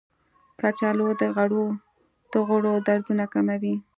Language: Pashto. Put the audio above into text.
کچالو د غړو دردونه کموي.